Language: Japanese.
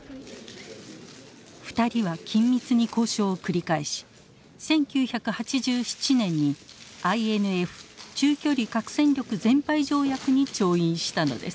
２人は緊密に交渉を繰り返し１９８７年にＩＮＦ中距離核戦力全廃条約に調印したのです。